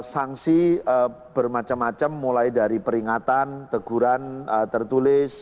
sanksi bermacam macam mulai dari peringatan teguran tertulis